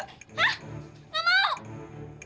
hah gak mau